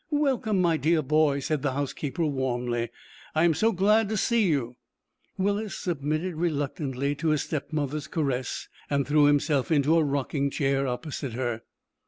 "Welcome, my dear boy," said the housekeeper, warmly. "I am so glad to see you." Willis submitted reluctantly to his stepmother's caress, and threw himself into a rocking chair opposite her.